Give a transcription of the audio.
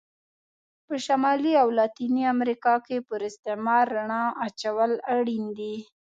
په شمالي او لاتینې امریکا کې پر استعمار رڼا اچول اړین دي.